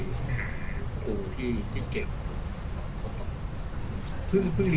ส่วนยังแบร์ดแซมแบร์ด